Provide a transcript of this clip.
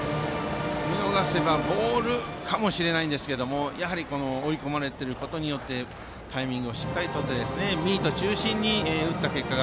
見逃せばボールかもしれないですがやはり追い込まれていることによってタイミングをしっかりとってミート中心に打った結果が